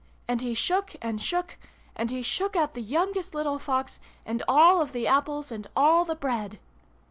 And he shook, and shook ! And he shook out the youngest little Fox, and all the Apples, and all the Bread